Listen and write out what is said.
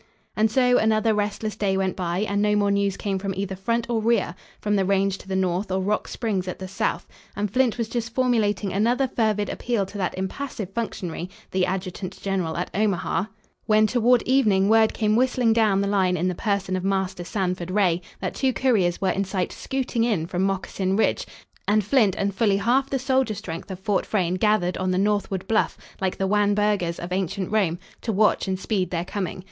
And so another restless day went by and no more news came from either front or rear from the range to the north or Rock Springs at the south, and Flint was just formulating another fervid appeal to that impassive functionary, the adjutant general at Omaha, when toward evening word came whistling down the line in the person of Master Sanford Ray, that two couriers were in sight "scooting" in from Moccasin Ridge, and Flint and fully half the soldier strength of Fort Frayne gathered on the northward bluff like the "wan burghers" of ancient Rome, to watch and speed their coming.